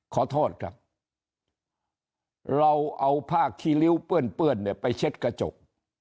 ขอโทษครับเราเอาผ้าที่ริ้วเปื้อนเนี่ยไปเช็ดกระจก